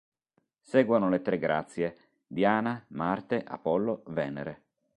Seguono le Tre Grazie, Diana, Marte, Apollo, Venere.